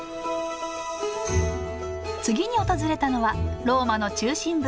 次に訪れたのはローマの中心部